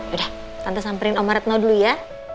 udah tante samperin sama retno dulu ya